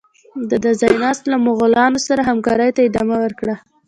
د ده ځای ناستو له مغولانو سره همکارۍ ته ادامه ورکړه.